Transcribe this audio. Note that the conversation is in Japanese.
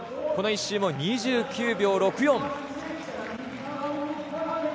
この１周も２９秒６４。